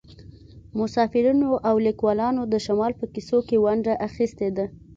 مسافرینو او لیکوالانو د شمال په کیسو کې ونډه اخیستې ده